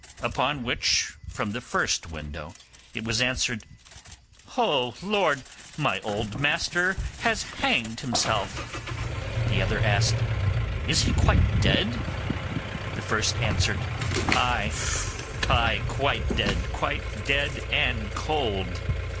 upon which, from the first window, it was answered, 'Oh Lord, my old master has hanged himself!' The other asked again, 'Is he quite dead?' and the first answered, 'Ay, ay, quite dead; quite dead and cold!